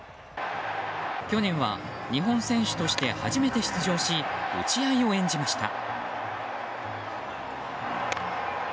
去年は日本選手として初めて出場し打ち合いを演じました。